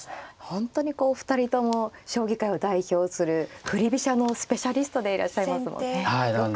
本当にこうお二人とも将棋界を代表する振り飛車のスペシャリストでいらっしゃいますもんね。